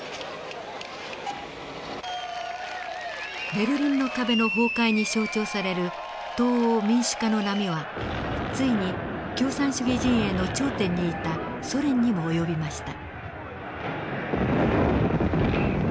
ベルリンの壁の崩壊に象徴される東欧民主化の波はついに共産主義陣営の頂点にいたソ連にも及びました。